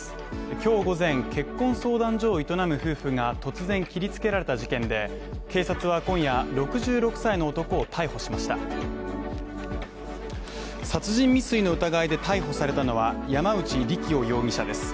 きょう午前結婚相談所を営む夫婦が突然切りつけられた事件で警察は今夜６６歳の男を逮捕しました殺人未遂の疑いで逮捕されたのは山内利喜夫容疑者です